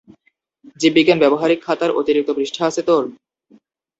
জীববিজ্ঞান ব্যবহারিক খাতার অতিরিক্ত পৃষ্ঠা আছে তোর?